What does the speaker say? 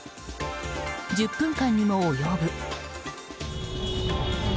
１０分間にも及ぶ。